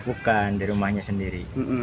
bukan di rumahnya sendiri